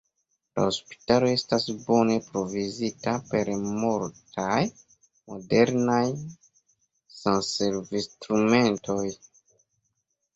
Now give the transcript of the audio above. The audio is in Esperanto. La hospitalo estas bone provizita per multaj modernaj sanservinstrumentoj.